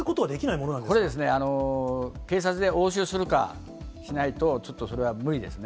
これですね、警察で押収するかしないと、ちょっとそれは無理ですね。